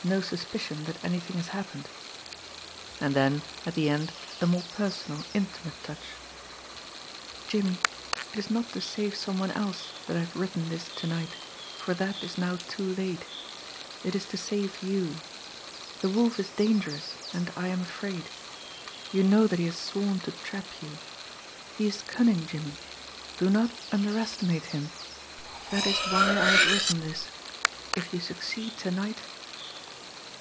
no suspicion that anything has happened ..." And then, at the end, a more personal, intimate touch: "Jimmie, it is not to save some one else that I have written this to night, for that is now too late it is to save you. The Wolf is dangerous and I am afraid. You know that he has sworn to trap you. He is cunning, Jimmie do not underestimate him. That is why I have written this if you succeed to night